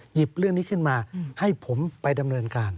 หยิบเรื่องนี้ขึ้นมาให้ผมไปดำเนินการ